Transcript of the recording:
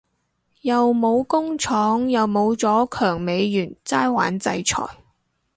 又冇工廠又冇咗強美元齋玩制裁